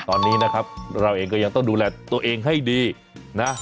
ตอนนี้นะครับเราเองก็ยังต้องดูแลตัวเองให้ดีนะ